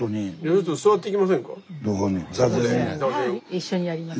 一緒にやりましょ。